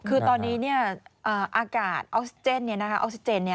คือตอนนี้เนี่ยอากาศแอลสิเจน